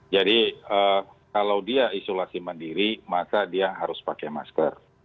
jadi kalau dia isolasi mandiri maka dia harus pakai masker